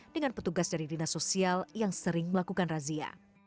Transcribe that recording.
dengan petugas dari dinas sosial yang sering melakukan razia